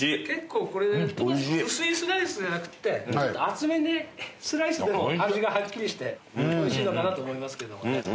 結構これトマト薄いスライスじゃなくってちょっと厚めにスライスでも味がはっきりしておいしいのかなと思いますけどね。